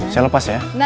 saya lepas ya